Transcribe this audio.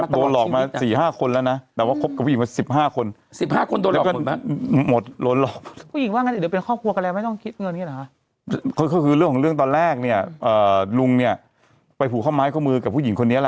ประกับงานประกับชีวิตแล้ว